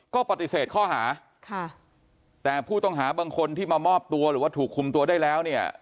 ก็ปฏิเสธข้อหาค่ะแต่ผู้ต้องหาบางคนที่มามอบตัวหรือว่าถูกคุมตัวได้แล้วเนี่ย